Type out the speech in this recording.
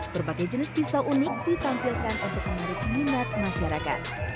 berbagai jenis pisau unik ditampilkan untuk menarik minat masyarakat